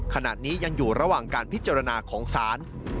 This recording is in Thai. ขณะนี้ยังอยู่ระหว่างการพิจารณาของศาล